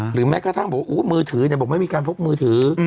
หรือแม้กระทั่งให้แบบว่ามือถืออย่างบอกไม่มีการพบมือถือ